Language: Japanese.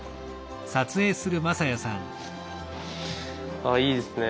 あいいですね。